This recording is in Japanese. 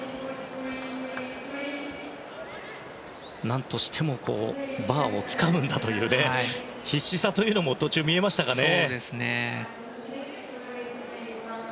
何としてもバーをつかむんだという必死さというのも途中、見えましたね。